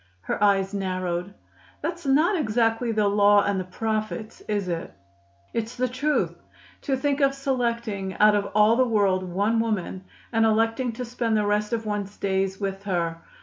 Her eyes narrowed. "That's not exactly the Law and the Prophets, is it?" "It's the truth. To think of selecting out of all the world one woman, and electing to spend the rest of one's days with her!